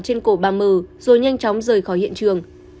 trên cổ ba m rồi nhanh chóng rời khỏi hiện trường